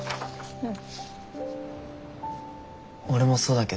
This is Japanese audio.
うん。